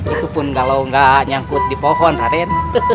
itu pun kalau gak nyangkut di pohon raden